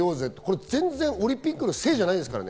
これ全然オリンピックのせいじゃないですからね。